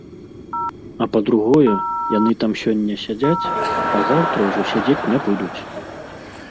А па-другое, яны там сёння сядзяць, а заўтра ўжо сядзець не будуць.